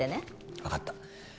分かった